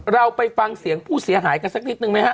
เราไปฟังเสียงผู้เสียหายกันสักนิดนึงไหมฮะ